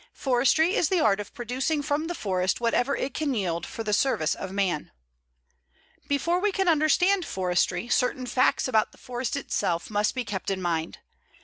Forestry is the art of producing from the forest whatever it can yield for the service of man. Before we can understand forestry, certain facts about the forest itself must be kept in mind.